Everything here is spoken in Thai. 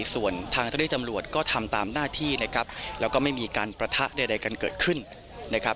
ส่วนทางเจ้าที่ตำรวจก็ทำตามหน้าที่นะครับแล้วก็ไม่มีการประทะใดกันเกิดขึ้นนะครับ